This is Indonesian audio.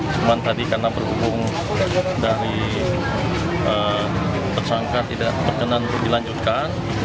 cuma tadi karena berhubung dari tersangka tidak berkenan untuk dilanjutkan